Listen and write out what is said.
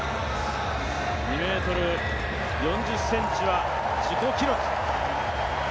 ２ｍ４０ｃｍは自己記録。